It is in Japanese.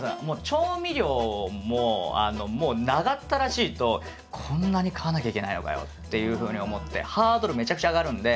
調味料ももう長ったらしいとこんなに買わなきゃいけないのかよっていうふうに思ってハードルめちゃくちゃ上がるんで。